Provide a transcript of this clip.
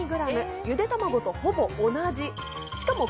ゆで卵とほぼ同じ。